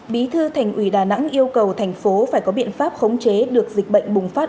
bí thư thành ủy đà nẵng yêu cầu thành phố phải có biện pháp khống chế được dịch bệnh bùng phát